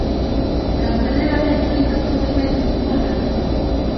Gaztelerara itzulitako zenbait bilduma lan.